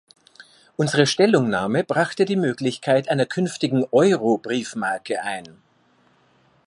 Unsere Stellungnahme brachte die Möglichkeit einer künftigen Eurobriefmarke ein.